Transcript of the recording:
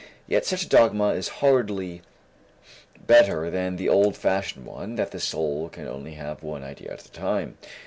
Yet such a dogma is hardly better than the old fashioned one that the soul can have only one idea at a time.